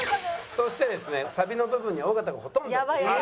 そしてですねサビの部分には尾形はほとんど映ってません。